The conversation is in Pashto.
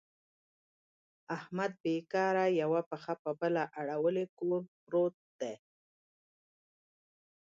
احمد بېکاره یوه پښه په بله اړولې کور پورت دی.